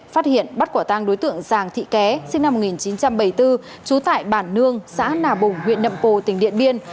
phát hiện bắt quả tang đối tượng giàng thị ké sinh năm một nghìn chín trăm bảy mươi bốn trú tại bản nương xã nà bùng huyện nậm pồ tỉnh điện biên